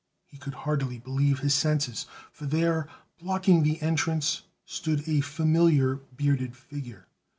He could hardly believe his senses, for there blocking the entrance stood a familiar bearded figure.